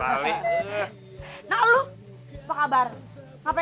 ambil kamu paham muscles